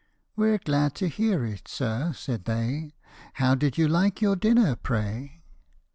" We're glad to hear it, sir," said they, " How did you like your dinner, pray